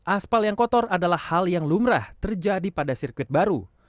aspal yang kotor adalah hal yang lumrah terjadi pada sirkuit baru